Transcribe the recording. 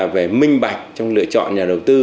về minh bạch trong lựa chọn nhà đầu tư